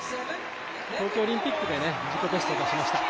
東京オリンピックで自己ベストを出しました。